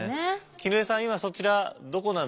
絹枝さん今そちらどこなんですか？